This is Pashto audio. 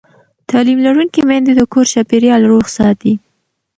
تعلیم لرونکې میندې د کور چاپېریال روغ ساتي.